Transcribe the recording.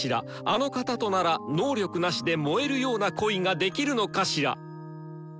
あの方となら能力なしで燃えるような恋ができるのかしら」。